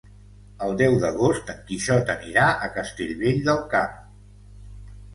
El deu d'agost en Quixot anirà a Castellvell del Camp.